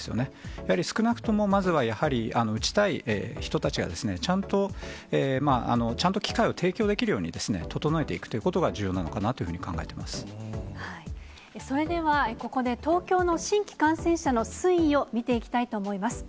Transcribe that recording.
やはり少なくとも、まずはやはり打ちたい人たちが、ちゃんと機会を提供できるように整えていくということが重要なのそれでは、ここで東京の新規感染者の推移を見ていきたいと思います。